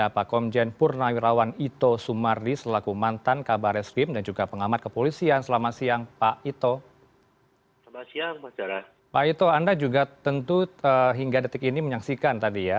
pak ito anda juga tentu hingga detik ini menyaksikan tadi ya